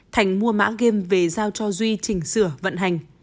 thành mua mã game về giao cho duy chỉnh sửa vận hành